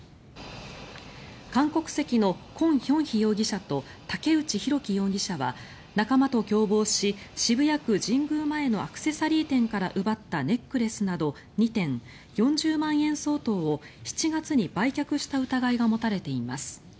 韓国籍のコン・ヒョンヒ容疑者と竹内拓樹容疑者は仲間と共謀し渋谷区神宮前のアクセサリー店から奪ったネックレスなど２点４０万円相当を、７月に売却した疑いが持たれています。